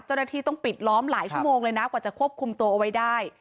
เจ้าหน้าที่ต้องปิดล้อมหลายชั่วโมงเลยนะกว่าจะควบคุมตัวเอาไว้ได้